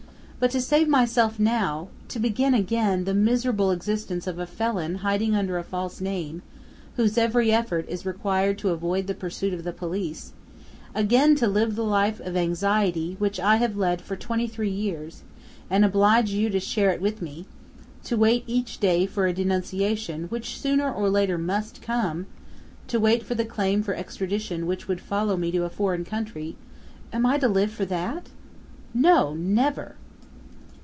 But to save myself now, to begin again the miserable existence of a felon hiding under a false name, whose every effort is required to avoid the pursuit of the police, again to live the life of anxiety which I have led for twenty three years, and oblige you to share it with me; to wait each day for a denunciation which sooner or later must come, to wait for the claim for extradition which would follow me to a foreign country! Am I to live for that? No! Never!"